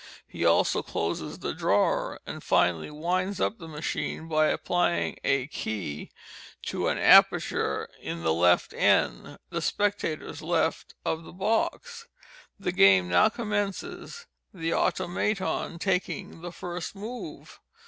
He also closes the drawer, and, finally, winds up the machine, by applying a key to an aperture in the left end (the spectators' left) of the box. The game now commences—the Automaton taking the first move.